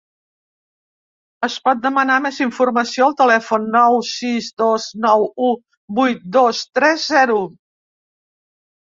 Es pot demanar més informació al telèfon nou sis dos nou u vuit dos tres zero.